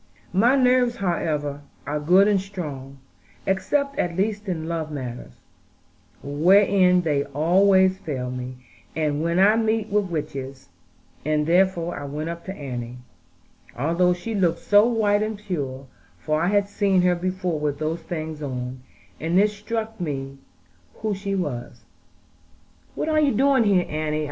My nerves, however, are good and strong, except at least in love matters, wherein they always fail me, and when I meet with witches; and therefore I went up to Annie, although she looked so white and pure; for I had seen her before with those things on, and it struck me who she was. "What are you doing here, Annie?"